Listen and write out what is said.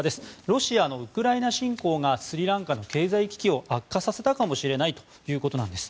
ロシアのウクライナ侵攻がスリランカの経済危機を悪化させたかもしれないということなんです。